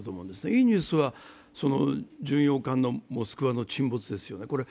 いいニュースは、巡洋艦「モスクワ」の沈没ですね。